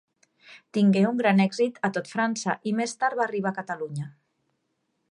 Tingué un gran èxit a tot França i més tard va arribar a Catalunya.